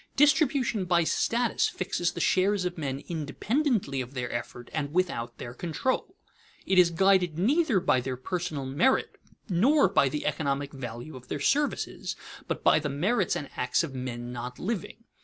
_ Distribution by status fixes the shares of men independently of their effort and without their control. It is guided neither by their personal merit nor by the economic value of their services, but by the merits and acts of men not living.